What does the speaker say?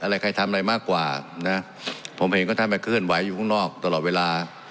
อะไรใครทำอะไรมากกว่านะผมเห็นว่าท่านไปเคลื่อนไหวอยู่ข้างนอกตลอดเวลา